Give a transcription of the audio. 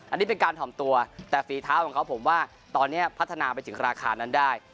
อันนี้เป็นการถ่อมตัวแต่ฝีเท้าของเขาผมว่าตอนนี้พัฒนาไปถึงราคานั้นได้